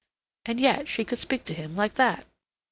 And yet she could speak to him like that!